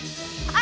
あ！